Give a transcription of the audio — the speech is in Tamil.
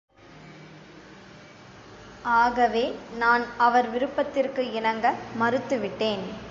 ஆகவே நான் அவர் விருப்பத்திற்கு இணங்க மறுத்துவிட்டேன்.